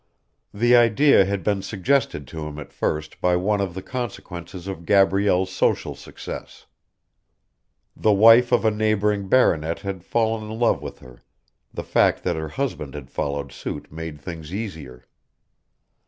The idea had been suggested to him at first by one of the consequences of Gabrielle's social success. The wife of a neighbouring baronet had fallen in love with her the fact that her husband had followed suit made things easier.